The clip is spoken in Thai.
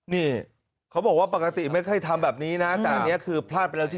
นี่เขาบอกว่าปกติไม่ค่อยทำแบบนี้นะนี่คือพลาดแล้ว